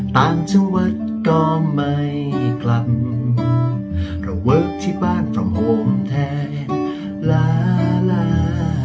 ต่างจังหวัดก็ไม่กลับระเวิร์คที่บ้านตรงโอมแทนลาลา